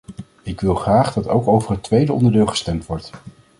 Ik wil graag dat ook over het tweede onderdeel gestemd wordt.